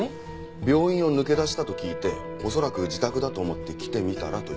病院を抜け出したと聞いて恐らく自宅だと思って来てみたらと言ってます。